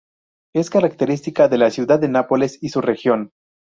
Es característica de la ciudad de Nápoles y su región.